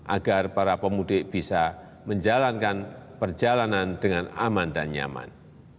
agar para pemudik bisa menjalankan perjalanan dengan aman dan nyaman